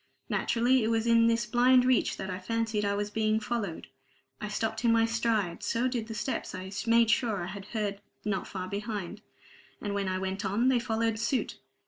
Naturally, it was in this blind reach that I fancied I was being followed. I stopped in my stride; so did the steps I made sure I had heard not far behind; and when I went on, they followed suit.